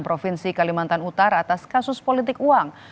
provinsi kalimantan utara atas kasus politik uang